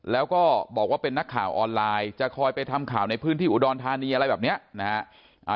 แล้วก็บอกว่าเป็นนักข่าวออนไลน์จะคอยไปทำข่าวในพื้นที่อุดรธานีอะไรแบบนี้นะฮะ